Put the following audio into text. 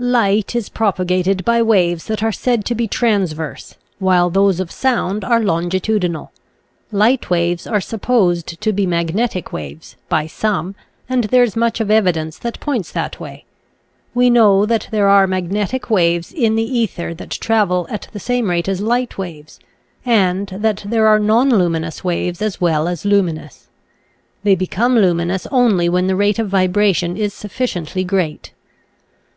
Light is propagated by waves that are said to be transverse, while those of sound are longitudinal. Light waves are supposed to be magnetic waves, by some, and there is much of evidence that points that way. We know that there are magnetic waves in the ether that travel at the same rate as light waves, and that there are nonluminous waves as well as luminous. They become luminous only when the rate of vibration is sufficiently great.